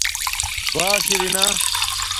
باݽ ارنݳ